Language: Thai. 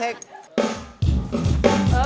เฮ้ยโอ้โห